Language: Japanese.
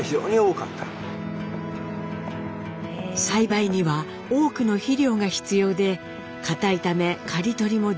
栽培には多くの肥料が必要でかたいため刈り取りも重労働。